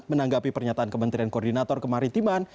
menanggapi pernyataan kementerian koordinator kemaritiman